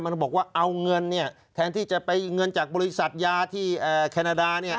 หมายถึงว่าไอจระเทศเมียแทนที่จะไปเงินจากบริษัทยาที่แคนนาดาเนี่ย